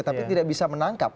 tapi tidak bisa menangkap